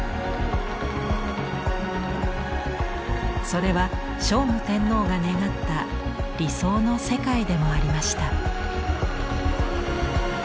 それは聖武天皇が願った理想の世界でもありました。